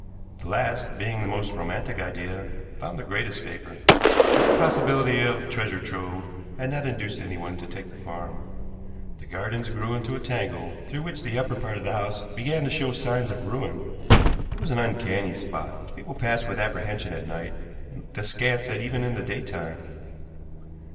The last, being the most romantic idea, found the greatest favor; but the possibility of treasure trove had not induced anyone to take the farm. The gardens grew into a tangle, through which the upper part of the house began to show signs of ruin. It was an uncanny spot, which people passed with apprehension at night, and looked askance at even in the daytime.